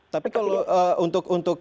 tapi kalau untuk